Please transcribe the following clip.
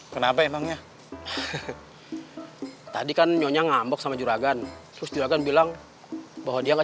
kenapa emangnya tadi kan nyonya ngambok sama juragan terus juragan bilang bahwa dia gak